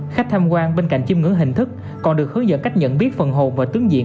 khách tham quan bên cạnh chiêm ngưỡng hình thức còn được hướng dẫn cách nhận biết phần hồn và tướng diễn